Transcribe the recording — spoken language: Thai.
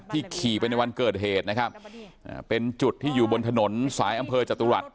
ขี่ไปในวันเกิดเหตุนะครับเป็นจุดที่อยู่บนถนนสายอำเภอจตุรัส